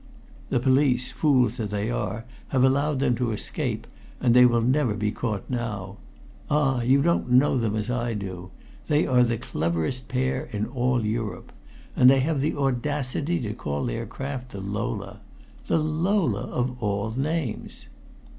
"The police, fools that they are, have allowed them to escape, and they will never be caught now. Ah! you don't know them as I do! They are the cleverest pair in all Europe. And they have the audacity to call their craft the Lola the Lola, of all names!"